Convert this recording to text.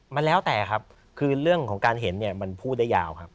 มันแล้วแต่ครับคือเรื่องของการเห็นเนี่ยมันพูดได้ยาวครับ